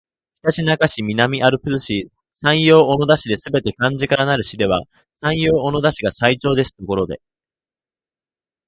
ひたちなか市、南アルプス市、山陽小野田市ですべて漢字からなる市では山陽小野田市が最長ですところで